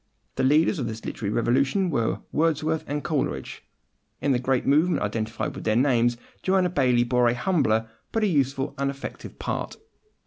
The leaders of this literary revolution were Wordsworth and Coleridge. In the great movement identified with their names Joanna Baillie bore a humbler, but a useful and effective part.